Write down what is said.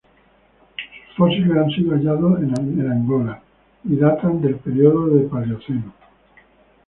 Sus fósiles han sido hallados en Angola y datan del período de Paleoceno.